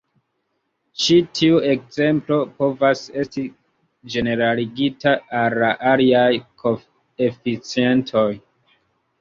Ĉi tiu ekzemplo povas esti ĝeneraligita al la aliaj koeficientoj.